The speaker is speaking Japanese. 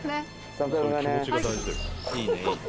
その気持ちが大事だよ。